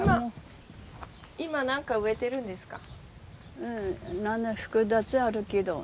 今何か植えてるんですか？